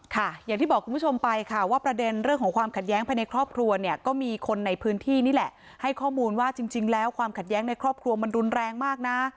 อย่างที่บอกคุณผู้ชมไปค่ะว่าประเด็นเรื่องของความขัดแย้งภายในครอบครัวเนี่ยก็มีคนในพื้นที่นี่แหละให้ข้อมูลว่าจริงแล้วความขัดแย้งในครอบครัวมันรุนแรงมากนะ